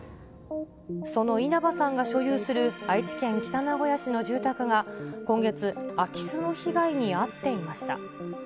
その稲葉さんが所有する愛知県北名古屋市の住宅が今月、空き巣の被害に遭っていました。